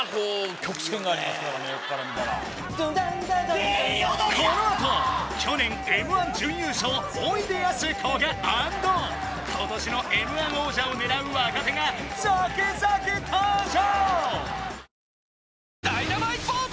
曲線がありますから横から見たらこのあと去年Ｍ−１準優勝おいでやすこが＆今年のＭ−１王者を狙う若手が続々登場！